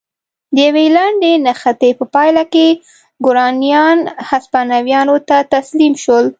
د یوې لنډې نښتې په پایله کې ګورانیان هسپانویانو ته تسلیم شول.